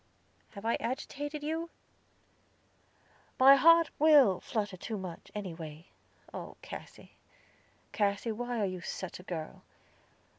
Have I agitated you?" "My heart will flutter too much, anyway. Oh, Cassy, Cassy, why are you such a girl?